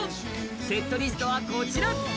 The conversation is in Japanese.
セットリストはこちら。